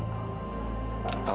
tapi aku udah gak apa apa kok